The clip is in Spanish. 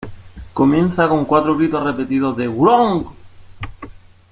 Comienza con cuatro gritos repetidos de "Wrong!